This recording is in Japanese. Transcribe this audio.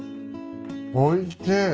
おいしい。